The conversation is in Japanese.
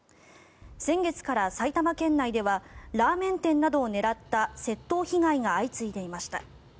先月から埼玉県内ではラーメン店などを狙った窃盗被害が相次いでいました。